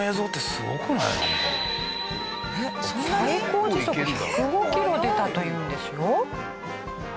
最高時速１０５キロ出たというんですよ。